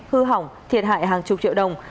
hư hỏng thiệt hại hàng chục triệu đồng